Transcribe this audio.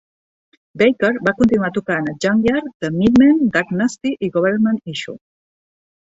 Baker va continuar tocant a Junkyard, the Meatmen, Dag Nasty i Government Issue.